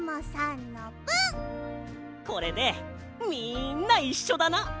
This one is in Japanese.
これでみんないっしょだな！